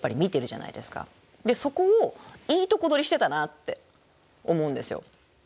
そこをいいとこ取りしてたなって思うんですよ。